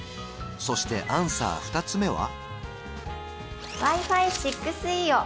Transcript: そしてアンサー２つ目は？